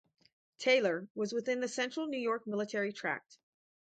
Taylor was within the Central New York Military Tract.